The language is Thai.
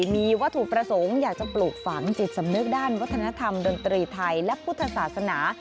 มีวัตถุประสงค์อยากจะปลูกฝังจิตสำนึกด้านวัฒนธรรมดนตรีไทยและพุทธศาสนา